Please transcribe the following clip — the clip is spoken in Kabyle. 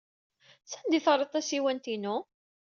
Sanda ay terrid tasiwant-inu?